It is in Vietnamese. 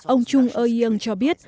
ông trung ơ yên cho biết